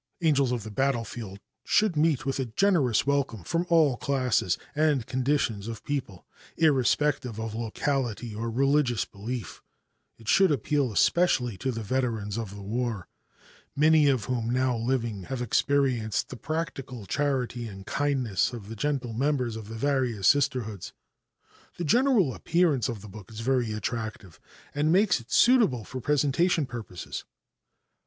"Angels of the Battlefield" should meet with a generous welcome from all classes and conditions of people, irrespective of locality or religious belief; it should appeal especially to the veterans of the war, many of whom now living have experienced the practical charity and kindness of the gentle members of the various Sisterhoods. The general appearance of the book is very attractive and makes it suitable for presentation purposes.